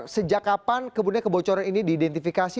sejak kapan kemudian kebocoran ini diidentifikasi